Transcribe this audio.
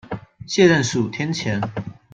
卸任十五天前